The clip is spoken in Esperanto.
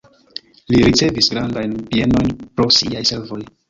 Li ricevis grandajn bienojn pro siaj servoj.